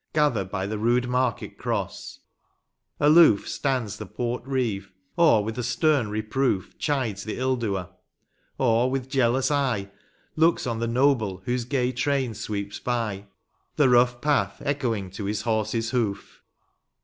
Gather hy the rude market cross; aloof Stands the port reeve, or with a stem reproof Chides the ill doer; or with jealous eye Looks on the noble whose gay train sweeps by, The rough path echoing to his horse s hoof.